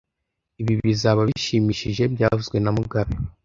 Ibi bizaba bishimishije byavuzwe na mugabe